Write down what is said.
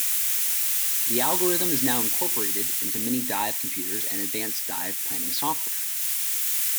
The algorithm is now incorporated into many dive computers and advanced dive planning software.